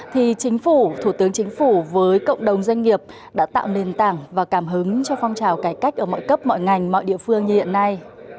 thì chính phủ thủ tướng chính phủ với cộng đồng doanh nghiệp đã tạo nền tảng và cảm hứng cho phong trào cải cách ở mọi cấp mọi ngành mọi địa phương như hiện nay